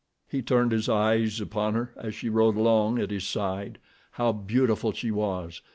He turned his eyes upon her as she rode along at his side. How beautiful she was!